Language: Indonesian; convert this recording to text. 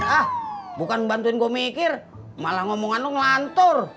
ah bukan ngebantuin gue mikir malah ngomongan lo ngelantur